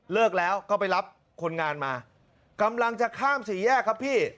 แล้วก็ไปรับคนงานมากำลังจะข้ามสี่แยกครับพี่